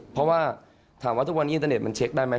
เพราะว่าถ้าถามว่าทุกวันอินเตอร์เนดมันเช็กได้ไหม